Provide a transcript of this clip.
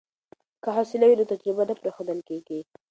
که حوصله وي نو تجربه نه پریښودل کیږي.